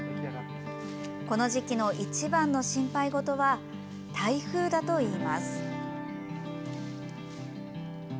この時期の一番の心配ごとは台風だといいます。